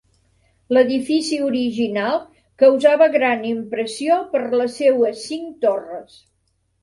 L'edifici original causava gran impressió per les seues cinc torres.